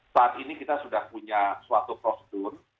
saat ini kita sudah punya suatu prosedur